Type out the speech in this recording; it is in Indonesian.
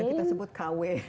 kita sebut kw